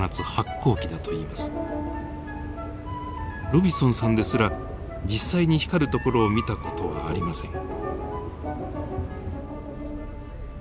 ロビソンさんですら実際に光るところを見た事はありません。